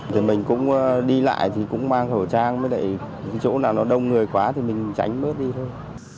thì mình cũng đi lại thì cũng mang khẩu trang với lại chỗ nào nó đông người quá thì mình tránh mất đi thôi